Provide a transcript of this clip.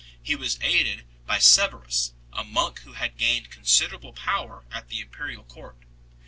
He was aided by Severus, a monk who had gained considerable power at the imperial court.